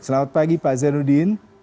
selamat pagi pak zainuddin